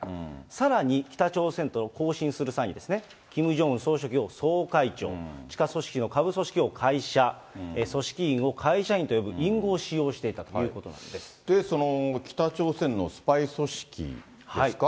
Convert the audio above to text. さらに、北朝鮮と交信する際に、キム・ジョンウン総書記を総会長、地下組織の下部組織を会社、組織員を会社員と呼ぶ隠語を使用していたと北朝鮮のスパイ組織ですか。